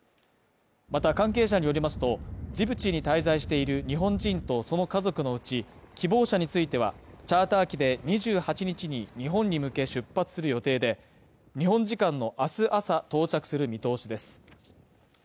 また関係者によりますと、ジブチに滞在している日本人とその家族のうち、希望者についてはチャーター機で２８日に日本に向け出発する予定で、日本時間の明日朝到着する見通しです。